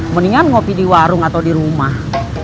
mendingan ngopi di warung atau di rumah